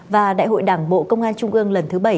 và đại hội đảng bộ công an trung ương lần thứ bảy